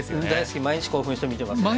毎日興奮して見てますね。